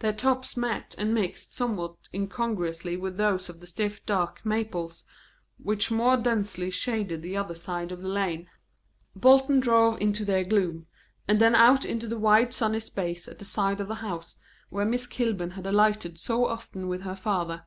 Their tops met and mixed somewhat incongruously with those of the stiff dark maples which more densely shaded the other side of the lane. Bolton drove into their gloom, and then out into the wide sunny space at the side of the house where Miss Kilburn had alighted so often with her father.